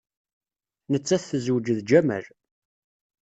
Nettat tezweǧ d Jamal.